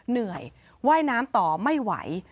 เหนื่อยว่ายน้ำต่อไม่ไหว